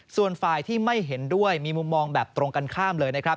ส่วนฝ่ายที่ไม่เห็นด้วยมีมุมมองแบบตรงกันข้ามเลยนะครับ